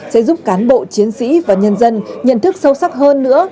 sẽ giúp cán bộ chiến sĩ và nhân dân nhận thức sâu sắc hơn nữa